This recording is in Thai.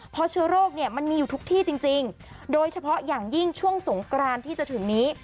เพราะเชื้อโรคเนี่ยมันมีอยู่ทุกที่จริงโดยเฉพาะอย่างยิ่งช่วงสงกรานที่จะถึงนี้